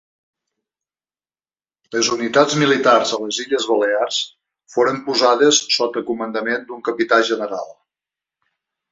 Les unitats militars a les Illes Balears foren posades sota comandament d’un capità general.